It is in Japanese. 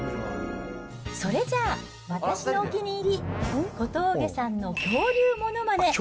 それじゃあ、私のお気に入り、小峠さんの恐竜ものまね。